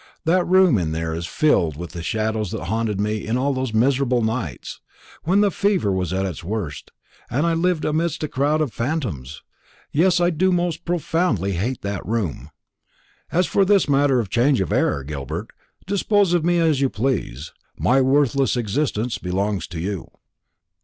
That room in there is filled with the shadows that haunted me in all those miserable nights when the fever was at its worst, and I lived amidst a crowd of phantoms. Yes, I do most profoundly hate that room. As for this matter of change of air, Gilbert, dispose of me as you please; my worthless existence belongs to you."